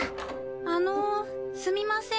あのすみません。